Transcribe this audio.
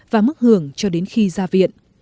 và mức hưởng cho đến khi ra viện